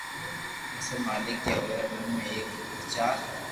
پسي مالڪ اي اوري من ۾ ايڪ ويچار